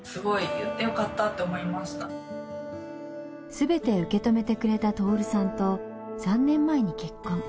すべて受け止めてくれた達さんと３年前に結婚。